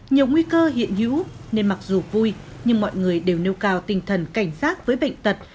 nhiều nguy cơ hiện hữu nên mặc dù vui nhưng mọi người đều nêu cao tinh thần cảnh giác với bệnh tật